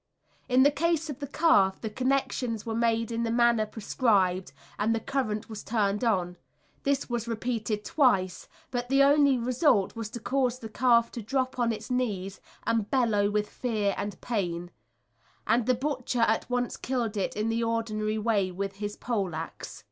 In the case of the calf the connections were made in the manner prescribed, and the current was turned on. This was repeated twice, but the only result was to cause the calf to drop on its knees and bellow with fear and pain, and the butcher at once killed it in the ordinary way with his poleaxe.